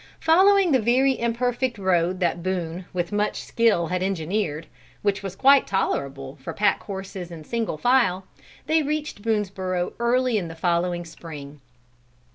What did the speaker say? Following the very imperfect road that Boone with much skill had engineered, which was quite tolerable for pack horses in single file, they reached Boonesborough early in the following spring.